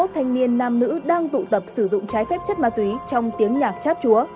hai mươi thanh niên nam nữ đang tụ tập sử dụng trái phép chất ma túy trong tiếng nhạc chát chúa